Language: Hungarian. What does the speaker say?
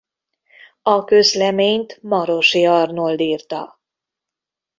A közleményt Marosi Arnold írta.